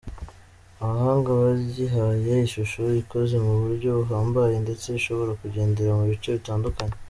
Abahanga bayihaye ishusho ikoze mu buryo buhambaye ndetse ishobora kugendera mu bice bitandukanye.